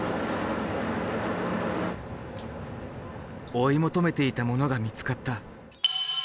追い求めていたものが見つかった。